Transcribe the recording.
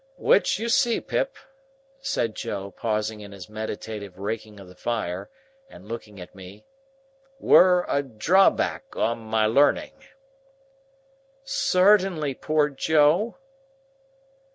Which, you see, Pip," said Joe, pausing in his meditative raking of the fire, and looking at me, "were a drawback on my learning." "Certainly, poor Joe!"